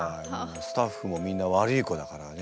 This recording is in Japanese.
スタッフもみんなワルイコだからね。